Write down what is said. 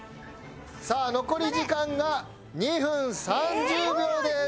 さあ残り時間が２分３０秒です！